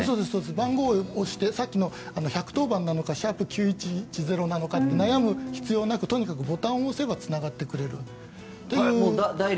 番号を押してさっきの１１０番なのか「＃９１１０」なのかと悩む必要なくとにかくボタンを押せばつながってくれる。